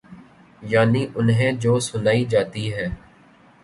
یعنی انہیں جو سنائی جاتی ہے۔